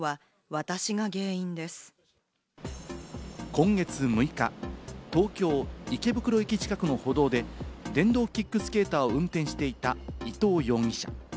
今月６日、東京・池袋駅近くの歩道で電動キックスケーターを運転していた伊藤容疑者。